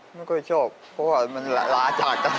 ไม่ค่อยชอบเพราะว่ามันล้าอาจารย์